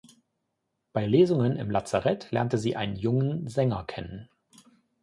Bei Lesungen im Lazarett lernte sie einen jungen Sänger kennen.